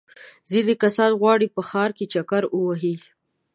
ځینې کسان غواړي په ښار کې چکر ووهي.